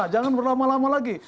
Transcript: jangan berlama lama lagi